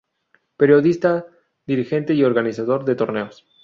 Periodista, dirigente y organizador de torneos.